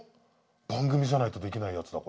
番組じゃないとできないやつだ